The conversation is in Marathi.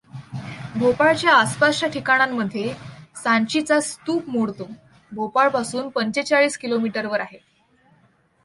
भोपाळच्या आसपासच्या ठिकाणांमध्ये सांचीचा स्तूप मोडतो, भोपाळपासून पंचेचाळीस किलोमीटरवर आहे.